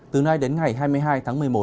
từ nay đến ngày hai mươi hai tháng một mươi một